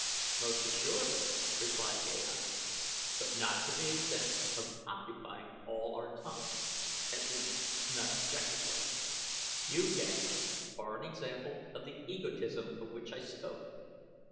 "Most assuredly," replied Gahan, "but not to the extent of occupying all our time at least not objectively. You, Ghek, are an example of the egotism of which I spoke.